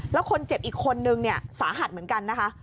แล้วคนเจ็บอีกคนนึงเนี่ยสาหัสเหมือนกันนะคะ